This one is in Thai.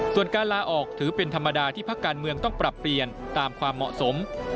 ส่วนการลาออกถือเป็นธรรมดาที่พักการเมืองต้องปรับเปลี่ยนตามความเหมาะสม